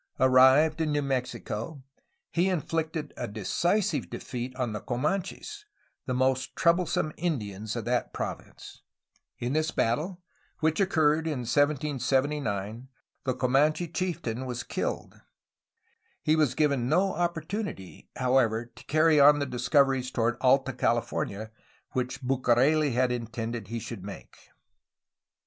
Arrived in New Mexico he infficted a decisive defeat on the Comanches, the most troublesome Indians of that province. In this battle, which occurred in 1779, the Co manche chieftain was killed. He was given no opportunity, however, to carry on the discoveries toward Alta California which Bucareli had intended he should make.